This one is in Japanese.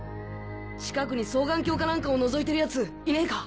近くに双眼鏡かなんかを覗いてる奴いねぇか？